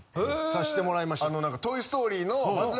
さしてもらいました。